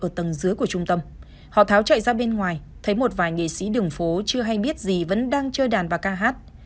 ở tầng dưới của trung tâm họ tháo chạy ra bên ngoài thấy một vài nghệ sĩ đường phố chưa hay biết gì vẫn đang chơi đàn và ca hát